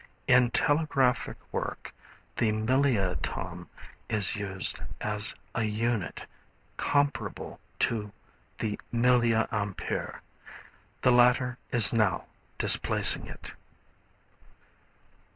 In telegraphic work the milliatom is used as a unit, comparable to the milliampere. The latter is now displacing it.